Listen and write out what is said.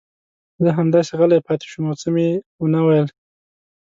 زه همداسې غلی پاتې شوم او څه مې ونه ویل.